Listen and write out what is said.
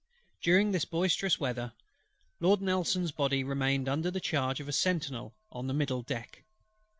During this boisterous weather, Lord NELSON'S Body remained under the charge of a sentinel on the middle deck.